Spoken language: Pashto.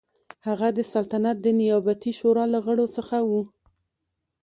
هغه د سلطنت د نیابتي شورا له غړو څخه و.